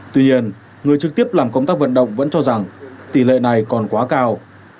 tuy nhiên người trực tiếp làm công tác vận động vẫn cho rằng tỷ lệ này còn quá cao